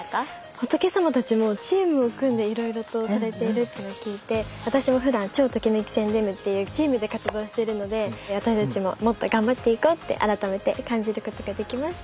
仏さまたちもチームを組んでいろいろとされているというのを聞いて私もふだん超ときめき宣伝部っていうチームで活動してるので私たちももっと頑張っていこうって改めて感じることができました。